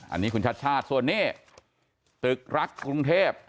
อันนี้คุณชาติชาติส่วนนี้ตึกรักกรุงเทพ